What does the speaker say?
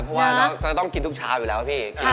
ชอบครับเพราะว่าต้องกินทุกเช้าอยู่แล้วอ่ะพี่ค่ะ